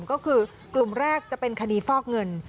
ก็คือกลุ่มแรกจะเป็นคดีฟอกเงิน